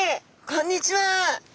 こんにちは。